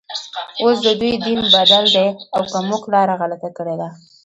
اوس ددوی دین بدل دی او که موږ لاره غلطه کړې ده.